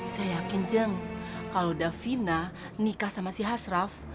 saya yakin jeng kalau davina nikah sama si hashraf